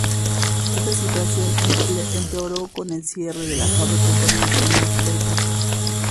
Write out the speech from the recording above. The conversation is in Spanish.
Esta situación empeoró con el cierre de la fábrica de International Paper.